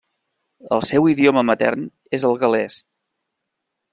El seu idioma matern és el gal·lès.